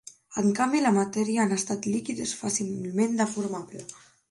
En canvi, la matèria en estat líquid és fàcilment deformable.